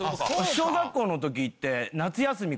小学校の時って夏休み